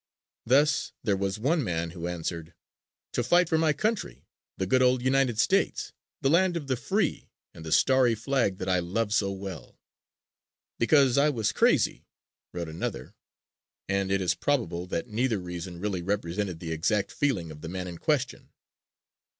Thus there was one man who answered, "To fight for my country, the good old United States, the land of the free and the starry flag that I love so well." "Because I was crazy," wrote another and it is probable that neither reason really represented the exact feeling of the man in question.